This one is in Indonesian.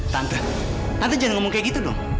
tante tante jangan ngomong kayak gitu dong